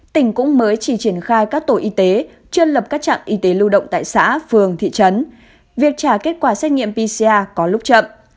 tỉnh cũng mới chỉ triển khai các tổ y tế chưa lập các trạm y tế lưu động tại xã phường thị trấn việc trả kết quả xét nghiệm pcr có lúc chậm